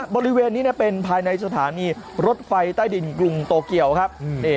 บริเวณนี้เป็นภายในสถานีรถไฟใต้ดินกรุงโตเกียวครับ